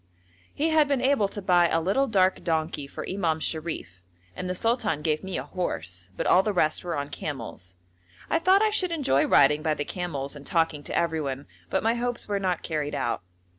He had been able to buy a little dark donkey for Imam Sharif and the sultan gave me a horse, but all the rest were on camels. I thought I should enjoy riding by the camels and talking to everyone, but my hopes were not carried out.